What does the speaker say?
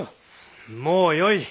もうよい。